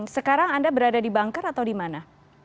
sekarang anda berada di banker atau di mana